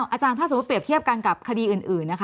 อาจารย์ถ้าสมมุติเปรียบเทียบกันกับคดีอื่นนะคะ